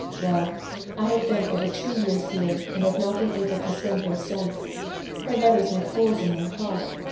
Well, I have been over two years here, and have not been able to send her a cent. Her letters make holes in my heart.